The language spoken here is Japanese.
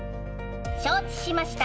承知しました。